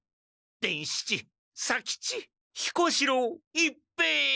伝七左吉彦四郎一平。